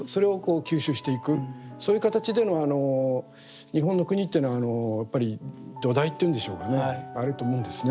そういう形でのあの日本の国っていうのはやっぱり土台っていうんでしょうかねあると思うんですね。